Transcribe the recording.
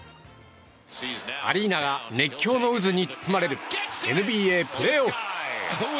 アリーナが熱狂の渦に包まれるＮＢＡプレーオフ。